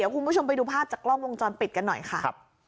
คุณผู้ชมไปดูภาพจากกล้องวงจรปิดกันหน่อยค่ะ